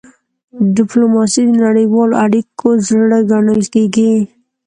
ډيپلوماسي د نړیوالو اړیکو زړه ګڼل کېږي.